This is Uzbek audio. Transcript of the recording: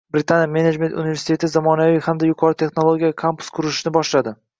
Britaniya menejment universiteti zamonaviy hamda yuqori texnologiyali kampus qurilishini boshladi